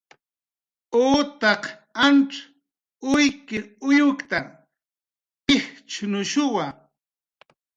Utaq anz uykir uyukta, pijchnushuwa